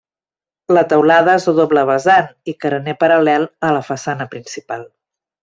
La teulada és a doble vessant i carener paral·lel a la façana principal.